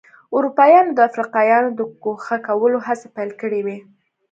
اروپایانو د افریقایانو د ګوښه کولو هڅې پیل کړې وې.